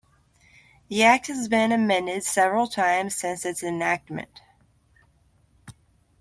The Act has been amended several times since its enactment.